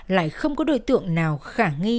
lại không có đối tượng nào khả nghi